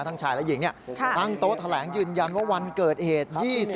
ชายและหญิงตั้งโต๊ะแถลงยืนยันว่าวันเกิดเหตุ